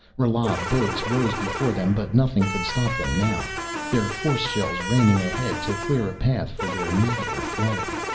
Rala boats rose before them, but nothing could stop them now, their force shells raining ahead to clear a path for their meteor flight.